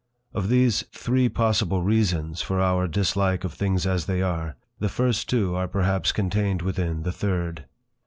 Of these three possible reasons for our dislike of things as they are, the first two are perhaps contained within the third.